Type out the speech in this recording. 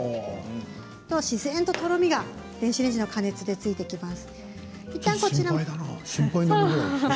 自然と、とろみが電子レンジの加熱でついていきます。